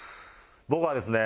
僕はですね